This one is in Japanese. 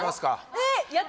えっ！